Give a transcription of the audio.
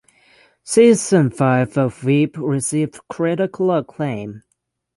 Season five of "Veep" received critical acclaim.